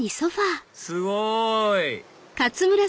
すごい！